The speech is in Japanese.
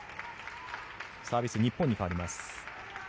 サービスは日本に変わります。